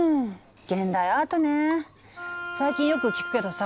現代アートねえ最近よく聞くけどさ